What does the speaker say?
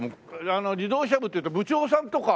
あの自動車部っていうと部長さんとか。